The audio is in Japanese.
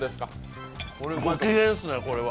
ご機嫌っすね、これは。